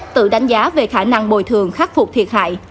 tự đánh giá về khả năng bồi thường khắc phục thiệt hại